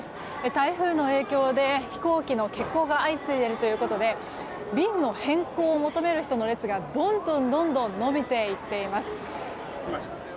台風の影響で飛行機の欠航が相次いでいるということで便の変更を求める人の列がどんどん延びています。